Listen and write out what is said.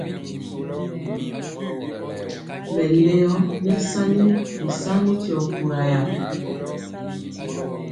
Mɛleo nɛ sani bisani tyio pura ya.